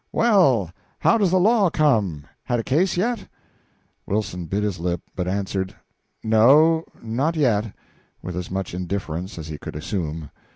"Well, how does the law come on? Had a case yet?" Wilson bit his lip, but answered, "No not yet," with as much indifference as he could assume.